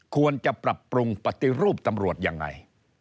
ควรจะปรับปรุงปฏิรูปตำรวจยังไง